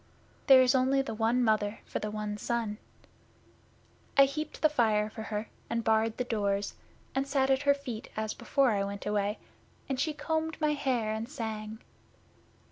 There is only the one Mother for the one son. I heaped the fire for her, and barred the doors, and sat at her feet as before I went away, and she combed my hair, and sang.